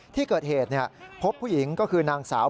ที่เกิดเหตุพบผู้หญิงก็คือนางสาว